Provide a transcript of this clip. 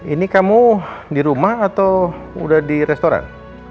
ini kamu di rumah atau udah di restoran